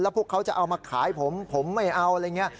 พวกเขาจะเอามาขายผมผมไม่เอาอะไรอย่างนี้